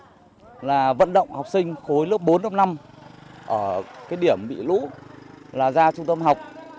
thứ hai là vận động học sinh khối lớp bốn lớp năm ở cái điểm bị lũ là ra trung tâm học